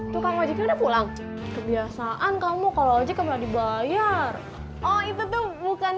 tuh kalau juga udah pulang kebiasaan kamu kalau aja kebelah dibayar oh itu tuh bukan